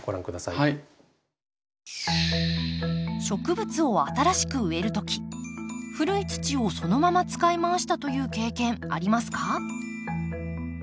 植物を新しく植える時古い土をそのまま使いまわしたという経験ありますか？